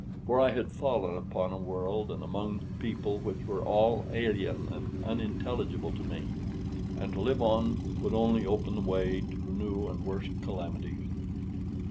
For I had fallen upon a world and among people which were all alien and unintelligible to me; and to live on would only open the way to new and worse calamities.